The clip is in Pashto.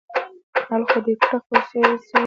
حل خو دې کړه خو څو يې صيي وه.